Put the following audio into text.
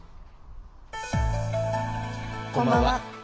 こんばんは。